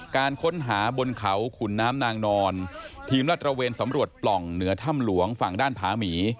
การค้นหาบนเขาขุนน้ำนางนอนทีมรัฐตระเวนสำรวจปล่องเหนือถ้ำหลวงฝั่งด้านผาหมี